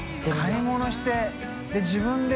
買い物してで自分で。